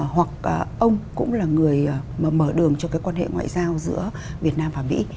hoặc ông cũng là người mở đường cho cái quan hệ ngoại giao giữa việt nam và mỹ